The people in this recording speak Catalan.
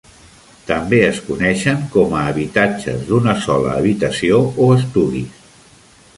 També es coneixen com a habitatges d'una sola habitació o estudis.